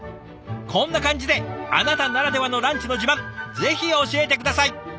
こんな感じであなたならではのランチの自慢ぜひ教えて下さい。